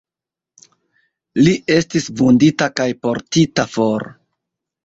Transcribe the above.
Li estis vundita kaj portita for.